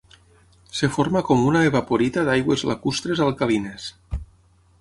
Es forma com una evaporita d'aigües lacustres alcalines.